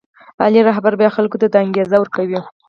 عالي رهبر بیا خلکو ته دا انګېزه ورکوي.